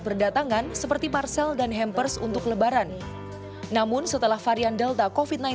berdatangan seperti parcel dan hampers untuk lebaran namun setelah varian delta kofit sembilan belas